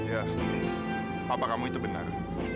ya apa kamu itu benar